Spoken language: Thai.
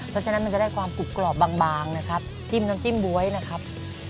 เพราะฉะนั้นมันจะได้ความกรุบกรอบบางนะครับจิ้มน้ำจิ้มบ๊วยนะครับ